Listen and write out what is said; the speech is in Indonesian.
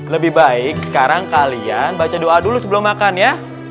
lebih baik sekarang kalian baca doa dulu sebelum makan ya